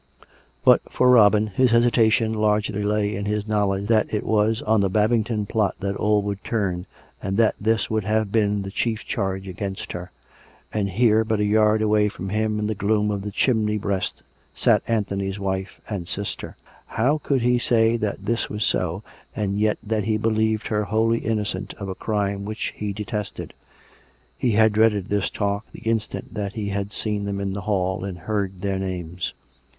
But, for Robin, his hesitation largely lay in his knowledge that it was on the Babington plot that all would turn, and that this would have been the chief charge against her; and here, but a yard away from him, in the gloom of the chimney breast sat Anthony's wife and sister. How could he say that this was so, and yet that he believed her wholly innocent of a crime which he detested.'' He had dreaded this talk the instant that he had seen them in the hall and heard their names.